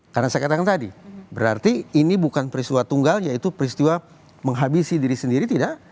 karena saya katakan tadi berarti ini bukan peristiwa tunggal yaitu peristiwa menghabisi diri sendiri tidak